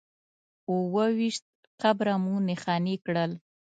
اووه ویشت قبره مو نښانې کړل.